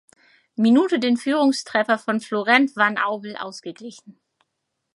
Minute den Führungstreffer von Florent Van Aubel ausgeglichen.